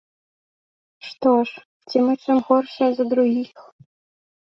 Што ж, ці мы чым горшыя за другіх?